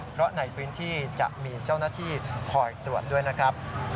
เพราะในพื้นที่จะมีเจ้าหน้าที่คอยตรวจด้วยนะครับ